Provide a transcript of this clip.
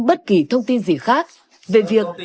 bất kỳ thông tin gì khác về việc